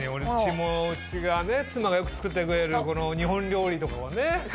うちがね妻がよく作ってくれる日本料理とかもね